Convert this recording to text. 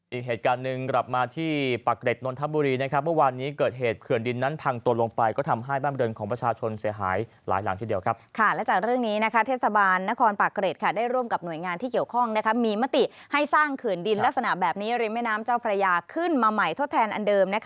อีกเหตุการณ์หนึ่งกลับมาที่ปากเกร็ดนนทบุรีเมื่อวานนี้เกิดเหตุเขื่อนดินนั้นพังตัวลงไปก็ทำให้บ้านบริเวณของประชาชนเสียหายหลายหลังทีเดียวและจากเรื่องนี้เทศบาลนครปากเกร็ดได้ร่วมกับหน่วยงานที่เกี่ยวข้องมีมติให้สร้างเขื่อนดินลักษณะแบบนี้ริมแม่น้ำเจ้าพระยาขึ้นมาใหม่ทดแทนอันเดิม